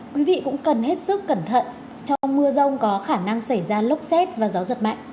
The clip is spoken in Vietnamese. quý vị cũng cần hết sức cẩn thận trong mưa rông có khả năng xảy ra lốc xét và gió giật mạnh